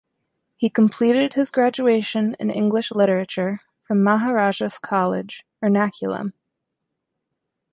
He completed his graduation in English literature from Maharajas College, Ernakulam.